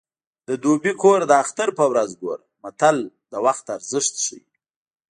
د دوبي کور د اختر په ورځ ګوره متل د وخت ارزښت ښيي